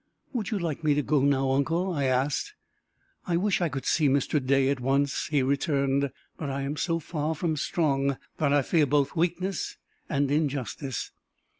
"Would you like me to go now, uncle?" I asked. "I wish I could see Mr. Day at once," he returned, "but I am so far from strong, that I fear both weakness and injustice.